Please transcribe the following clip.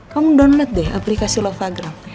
kamu download deh aplikasi lokal